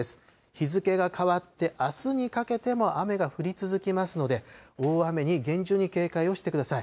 日付が変わってあすにかけても雨が降り続きますので、大雨に厳重に警戒をしてください。